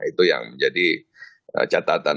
itu yang menjadi catatan